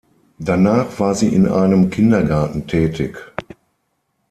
Danach war sie in einem Kindergarten tätig.